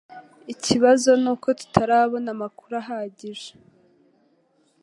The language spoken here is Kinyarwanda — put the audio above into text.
Ikibazo nuko tutarabona amakuru ahagije